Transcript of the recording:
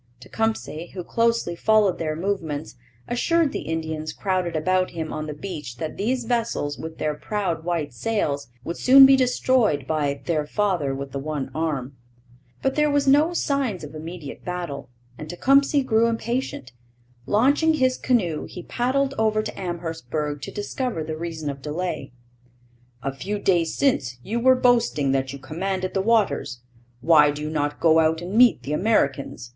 Tecumseh, who closely followed their movements, assured the Indians crowded about him on the beach that these vessels with their proud white sails would soon be destroyed by 'their father with the one arm.' But there were no signs of immediate battle, and Tecumseh grew impatient. Launching his canoe, he paddled over to Amherstburg to discover the reason of delay. 'A few days since you were boasting that you commanded the waters; why do you not go out and meet the Americans?'